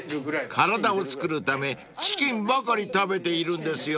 ［体をつくるためチキンばかり食べているんですよね］